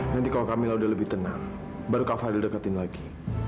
nanti kalau kamila udah lebih tenang baru kak fadil dekatin lagi